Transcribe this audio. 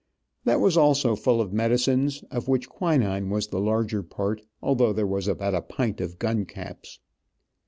That was also full of medicines, of which quinine was the larger part, though there was about a pint of gun caps.